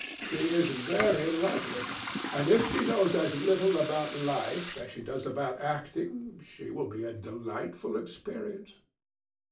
She is very lovely, and if she knows as little about life as she does about acting, she will be a delightful experience.